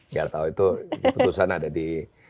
gak tau itu keputusan ada di